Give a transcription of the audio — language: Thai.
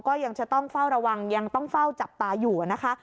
ก็ยังจะต้องเฝ้าระวังยังต้องเฝ้าจับตาอยู่นะคะ